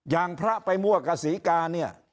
อย่างพระไปมั่วกับศรีกาเนี่ย